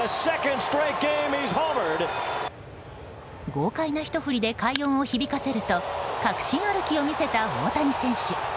豪快なひと振りで快音を響かせると確信歩きを見せた大谷選手。